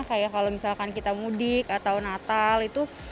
kayak kalau misalkan kita mudik atau natal itu